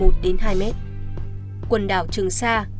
quần đảo trường sa